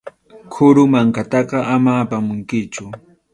Qhuru mankataqa ama apamunkichu.